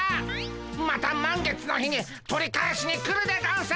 また満月の日に取り返しに来るでゴンス。